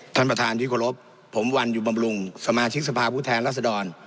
ท่านประธานที่เคารพผมวันอยู่บำรุงสมาชิกสภาพผู้แทนรัศดร